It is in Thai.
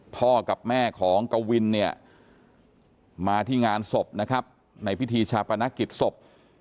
พ่อกับแม่ของกวิ้ลมาที่งานศพในพิธีชาปนกิจศพ